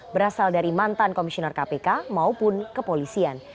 berasal dari mantan komisioner kpk maupun kepolisian